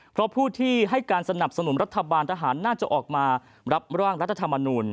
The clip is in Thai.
เพราะผู้ที่ให้การสนับสนุนรัฐบาลทหารน่าจะออกมารับร่างรัฐธรรมนูล